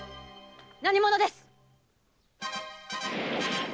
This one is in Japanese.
何者です